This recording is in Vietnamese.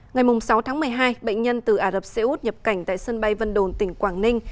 ngày sáu tháng một mươi hai bệnh nhân từ ả rập xê út nhập cảnh tại sân bay vân đồn tỉnh quảng ninh